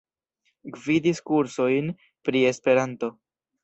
Gvidis kursojn pri Esperanto.